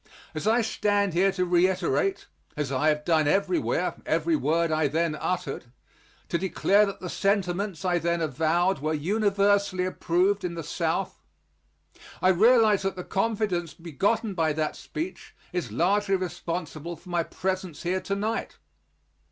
As I stand here to reiterate, as I have done everywhere, every word I then uttered to declare that the sentiments I then avowed were universally approved in the South I realize that the confidence begotten by that speech is largely responsible for my presence here to night.